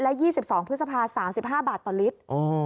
และ๒๒พฤษภา๓๕บาทต่อลิตร